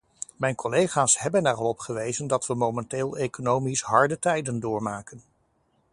Mijn collega's hebben er al op gewezen dat we momenteel economisch harde tijden doormaken.